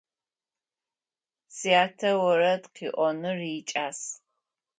Сятэ орэд къыӏоныр икӏас.